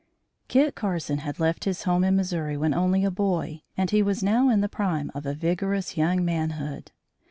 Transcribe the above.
Kit Carson had left his home in Missouri when only a boy and he was now in the prime of a vigorous young manhood.